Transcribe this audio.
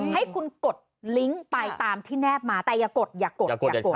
ให้คุณกดลิงก์ไปตามที่แนบมาแต่อย่ากดอย่ากดอย่ากด